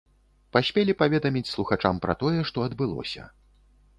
Паспелі паведаміць слухачам пра тое, што адбылося.